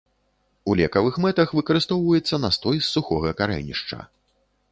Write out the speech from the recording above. У лекавых мэтах выкарыстоўваецца настой з сухога карэнішча.